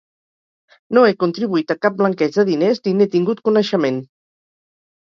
No he contribuït a cap blanqueig de diners ni n’he tingut coneixement.